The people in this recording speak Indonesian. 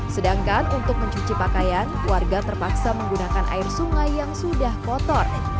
sedangkan untuk mencuci pakaian warga terpaksa menggunakan air sungai yang sudah kotor